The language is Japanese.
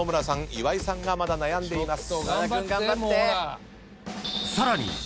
岩井さんがまだ悩んでいます。